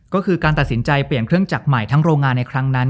ก็คือการตัดสินใจเปลี่ยนเครื่องจักรใหม่ทั้งโรงงานในครั้งนั้น